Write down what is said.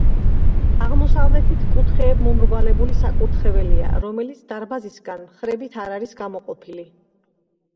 აღმოსავლეთით კუთხეებმომრგვალებული საკურთხეველია, რომელიც დარბაზისგან მხრებით არ არის გამოყოფილი.